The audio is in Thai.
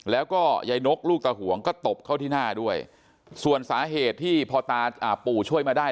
แล้วก็ยายนกลูกตาหวงก็ตบเข้าที่หน้าด้วยส่วนสาเหตุที่พอตาปู่ช่วยมาได้